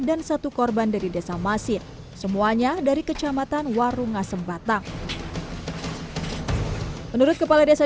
dan satu korban dari desa masin semuanya dari kecamatan warungasem batang menurut kepala desa